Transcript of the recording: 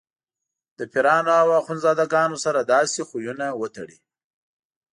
له پیرانو او اخندزاده ګانو سره داسې خویونه وتړي.